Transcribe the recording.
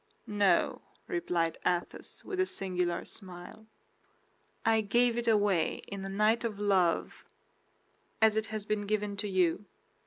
"No," replied Athos, with a singular smile. "I gave it away in a night of love, as it has been given to you."